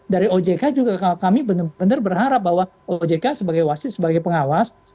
dari ojk juga kami benar benar berharap bahwa ojk sebagai wasit sebagai pengawas